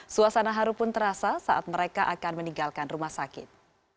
suasana haru pun terasa saat mereka akan meninggalkan rumah sakit